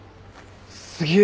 すげえ！